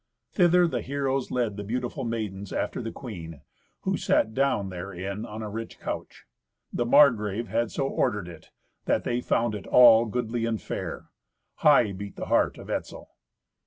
Thither the heroes led the beautiful maidens after the queen, who sat down therein on a rich couch. The Margrave had so ordered it, that they found it all goodly and fair. High beat the heart of Etzel.